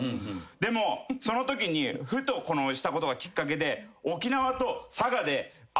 でもそのときにふとしたことがきっかけで。